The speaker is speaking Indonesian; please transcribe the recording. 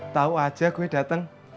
tau aja gue dateng